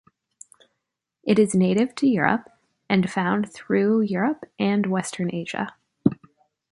It is native to Europe, and found through Europe and Western Asia.